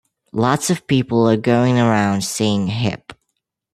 Lots of people are going around saying hip.